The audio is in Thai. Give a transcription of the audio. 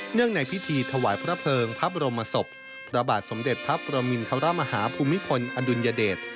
ในพิธีถวายพระเพลิงพระบรมศพพระบาทสมเด็จพระประมินทรมาฮาภูมิพลอดุลยเดช